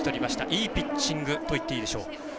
いいピッチングといっていいでしょう。